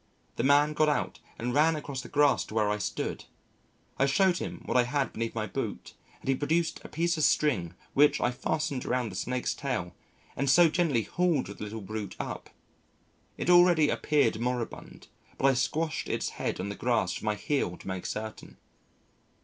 The man got out and ran across the grass to where I stood. I showed him what I had beneath my boot and he produced a piece of string which I fastened around the snake's tail and so gently hauled the little brute up. It already appeared moribund, but I squashed its head on the grass with my heel to make certain.